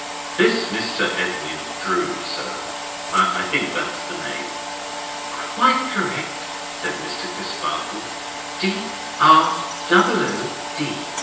This Mr. Edwin Drood, sir: I think that's the name?" "Quite correct," said Mr. Crisparkle. "D r double o d."